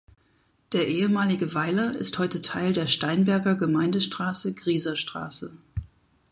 Der ehemalige Weiler ist heute Teil der Steinberger Gemeindestraße Grieser Straße.